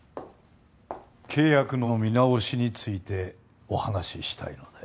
契約の見直しについてお話ししたいので。